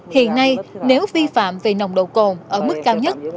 hiện nay nếu vi phạm về nồng độ cồn ở mức cao nhất